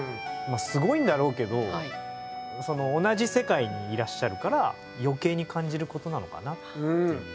すごいんだろうけど同じ世界にいらっしゃるから余計に感じることなのかなっていう。